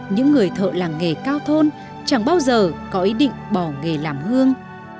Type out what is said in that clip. những người thợ làng nghề cao thôn chẳng bao giờ có ý định bỏ nghề làm hương